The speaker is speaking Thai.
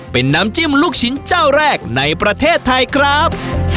เป็นน้ำจิ้มลูกชิ้นเจ้าแรกในประเทศไทยครับ